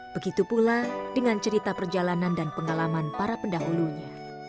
begitu pula dengan cerita perjalanan dan pengalaman para pendahulunya